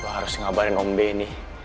gue harus ngabarin om benny